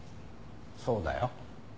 そうだよ。